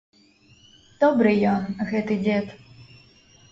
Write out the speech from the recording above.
Добры ён, гэты дзед.